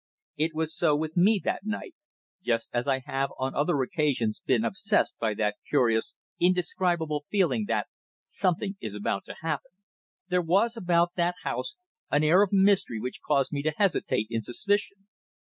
It was so with me that night just as I have on other occasions been obsessed by that curious, indescribable feeling that "something is about to happen." There was about that house an air of mystery which caused me to hesitate in suspicion.